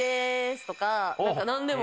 何でも。